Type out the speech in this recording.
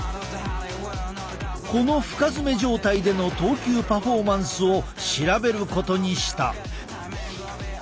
この深爪状態での投球パフォーマンスを調べることにした。